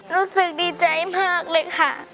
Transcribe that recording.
รู้สึกดีใจมากเลยค่ะ